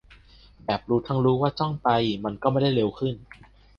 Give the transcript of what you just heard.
แบบรู้ทั้งรู้ว่าจ้องไปมันก็ไม่ได้เร็วขึ้น